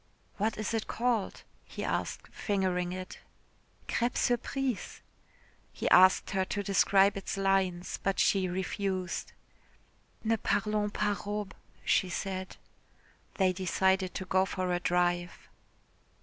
"What is it called?" he asked fingering it. "Crêpe surprise." He asked her to describe its lines, but she refused. "Ne parlons pas robes," she said. They decided to go for a drive.